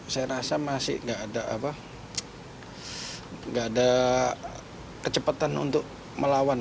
saya rasa masih nggak ada kecepatan untuk melawan